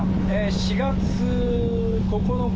４月９日